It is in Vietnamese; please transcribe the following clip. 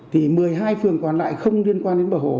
thì một mươi hai phường còn lại không liên quan đến bờ hồ